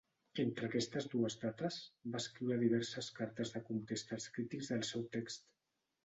Entre aquestes dues dates, va escriure diverses cartes de contesta als crítics del seu text.